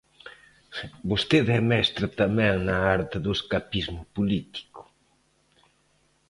Vostede é mestre tamén na arte do escapismo político.